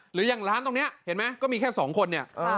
หรืออย่างร้านตรงนี้เห็นไหมก็มีแค่๒คนเนี่ย